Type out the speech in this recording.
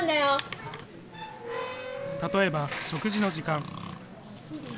例えば、食事の時間。